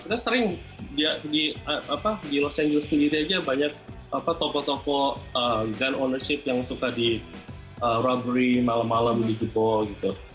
kita sering di los angeles sendiri aja banyak toko toko gun ownership yang suka di rugbri malam malam di jebol gitu